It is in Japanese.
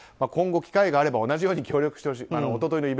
今後機会があれば同じように協力してほしい。